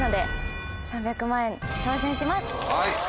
３００万円挑戦します。